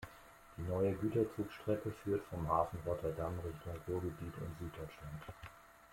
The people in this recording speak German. Die neue Güterzugstrecke führt vom Hafen Rotterdam Richtung Ruhrgebiet und Süddeutschland.